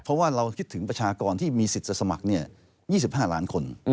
เพราะว่าเราคิดถึงประชากรที่มีสิทธิ์จะสมัคร๒๕ล้านคน